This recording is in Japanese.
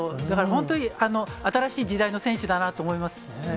だから本当、新しい時代の選手だなと思います。